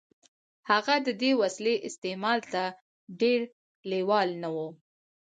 هغه د دې وسیلې استعمال ته ډېر لېوال نه و